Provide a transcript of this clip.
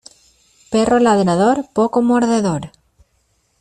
Perro ladrador poco mordedor.